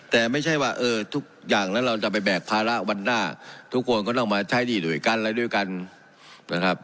แต่ไม่ใช่ว่าเออทุกอย่างแล้วเราจะไปแบกภาระวันหน้าทุกคนก็ต้องมาใช้หนี้ด้วยกันอะไรด้วยกันนะครับ